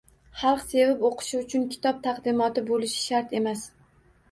Xalq sevib o‘qishi uchun kitob taqdimoti bo‘lishi shart emas.